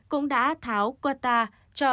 cũng đã tháo quota cho